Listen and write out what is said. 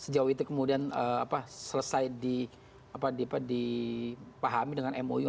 tapi kemudian selesai dipahami dengan mou